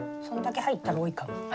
そんだけ入ったら多いかも。